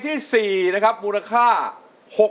ทั้งในเรื่องของการทำงานเคยทำนานแล้วเกิดปัญหาน้อย